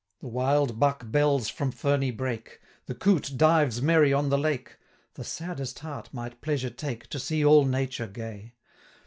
290 The wild buck bells from ferny brake, The coot dives merry on the lake, The saddest heart might pleasure take To see all nature gay.